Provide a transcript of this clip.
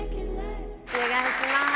お願いします。